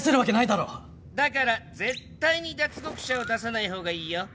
だから絶対に脱獄者を出さないほうがいいよ。